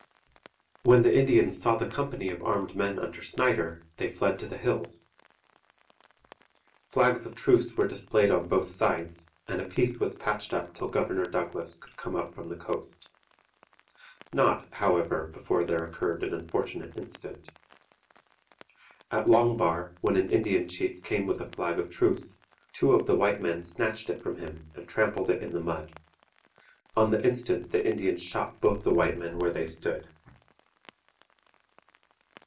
When the Indians saw the company of armed men under Snyder, they fled to the hills. Flags of truce were displayed on both sides and a peace was patched up till Governor Douglas could come up from the coast. Not, however, before there occurred an unfortunate incident. At Long Bar, when an Indian chief came with a flag of truce, two of the white men snatched it from him and trampled it in the mud. On the instant the Indians shot both the white men where they stood.